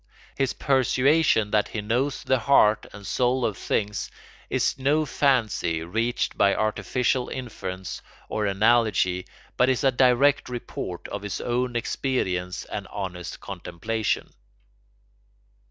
His persuasion that he knows the heart and soul of things is no fancy reached by artificial inference or analogy but is a direct report of his own experience and honest contemplation.